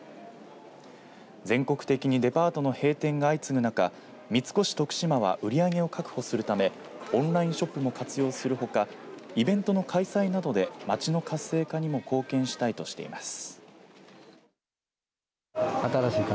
全国的にデパートの閉店が相次ぐ中三越徳島は売り上げを確保するためオンラインショップも活用するほかイベントの開催などで街の活性化にも貢献したいとしています。